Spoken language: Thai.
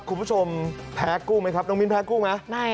คุณผู้ชมแพ้กุ้งไหมครับน้องมิ้นแพ้กุ้งไหม